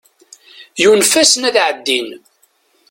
Yunef-asen ad ɛeddin.